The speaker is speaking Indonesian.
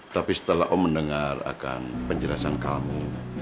tapi setelah om mendengar akan penjelasan kamu